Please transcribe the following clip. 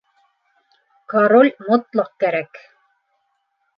Король мотлаҡ кәрәк!